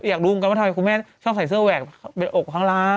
อยากรู้เหมือนกันว่าทำไมคุณแม่ชอบใส่เสื้อแหวกเป็นอกข้างล่าง